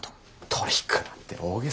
トリックなんて大げさな。